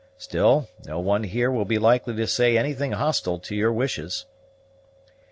Still no one here will be likely to say anything hostile to your wishes."